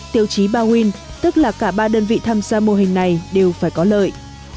tiêu chí ba nguyên tức là cả ba đơn vị tham gia mô hình này đều phải có lợi